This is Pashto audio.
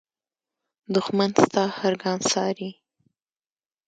دښمن ستا هر ګام څاري